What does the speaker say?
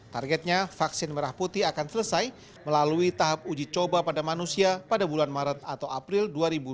targetnya vaksin merah putih akan selesai melalui tahap uji coba pada manusia pada bulan maret atau april dua ribu dua puluh